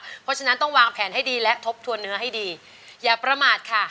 เพราะฉะนั้นต้องวางแผนให้ดีและทบทวนเนื้อให้ดีอย่าประมาทค่ะ